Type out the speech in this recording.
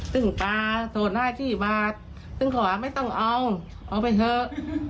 ตึงปลาโทนให้ที่มาตึงขวาไม่ต้องเอาเอาไปเถอะ